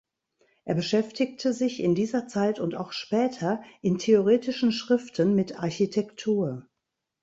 Er beschäftigte sich in dieser Zeit und auch später in theoretischen Schriften mit Architektur.